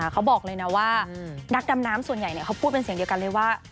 เขาบอกเลยนะว่านักดำน้ำส่วนใหญ่เขาพูดเป็นเสียงเดียวกันเลยว่า